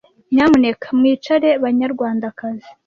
Nyamuneka mwicare, banyarwandakazi.